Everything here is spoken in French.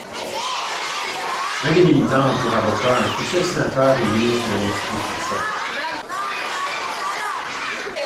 Un des militants a pour avocat un futur sénateur et ministre de l'Industrie français.